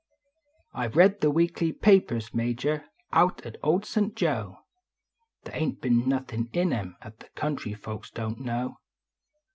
I ve read the weekly papers, Major, out at old St Joe, The} ain t bin nothin in em at the country folks don t know.